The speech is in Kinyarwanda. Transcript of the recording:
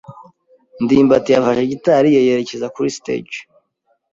ndimbati yafashe gitari ye yerekeza kuri stage.